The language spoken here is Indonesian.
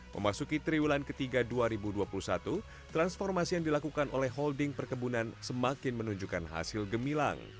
memasuki triwulan ketiga dua ribu dua puluh satu transformasi yang dilakukan oleh holding perkebunan semakin menunjukkan hasil gemilang